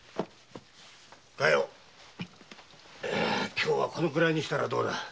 今日はこのくらいにしたらどうだ。